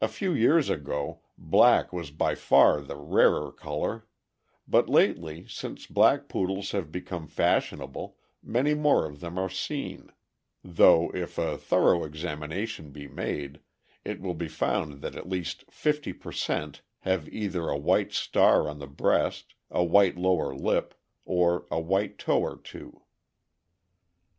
A few years ago, black was by far the rarer color, but lately, since black Poodles have become fashionable, many more of them are seen, though, if a thorough exam ination be made, it will be found that at least fifty per cent, have either a white star on the breast, a white lower lip, or a white toe or two.